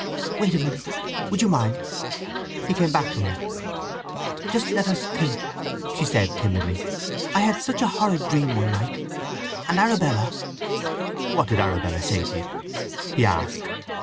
"Wait a minute, would you mind?" He came back to her. "Just let us think," she said timidly. "I had such a horrid dream one night! … And Arabella—" "What did Arabella say to you?" he asked.